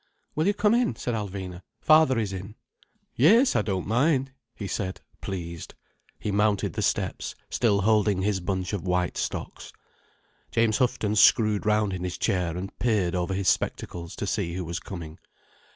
"Will you come in?" said Alvina. "Father is in." "Yes, I don't mind," he said, pleased. He mounted the steps, still holding his bunch of white stocks. James Houghton screwed round in his chair and peered over his spectacles to see who was coming.